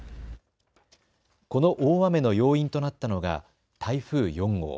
この大雨の要因となったのが台風４号。